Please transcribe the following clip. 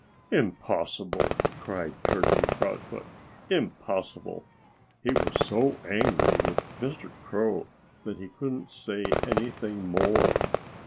"Impossible!" cried Turkey Proudfoot. "Impossible!" He was so angry with Mr. Crow that he couldn't say anything more.